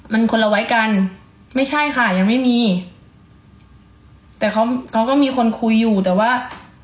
มันคนละไว้กันไม่ใช่ค่ะยังไม่มีแต่เขาเขาก็มีคนคุยอยู่แต่ว่า